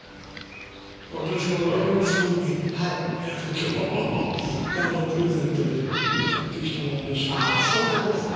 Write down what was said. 私がお礼のつもりに今日プレゼントで買ってきたものですけどあぁそうなんですか？